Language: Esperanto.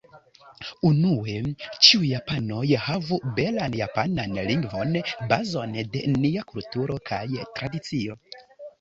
Unue ĉiuj japanoj havu belan japanan lingvon, bazon de nia kulturo kaj tradicio.